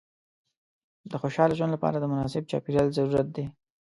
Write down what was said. د خوشحاله ژوند لپاره د مناسب چاپېریال ضرورت دی.